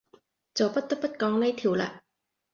就不得不講呢條喇